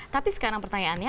tapi sekarang pertanyaannya